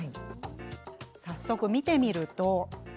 早速、見てみると。